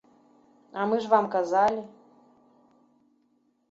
А мы ж вам казалі.